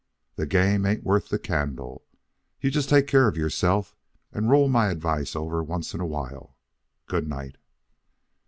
The game ain't worth the candle. You just take care of yourself, and roll my advice over once in a while. Good night."